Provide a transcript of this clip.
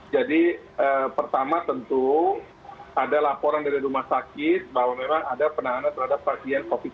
jadi pertama tentu ada laporan dari rumah sakit bahwa memang ada penahanan terhadap pasien covid sembilan belas